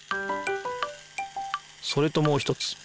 それともう一つ。